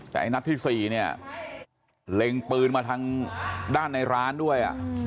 แต่ไอ้นัดที่๔เนี่ยเล็งปืนมาทางด้านในร้านด้วย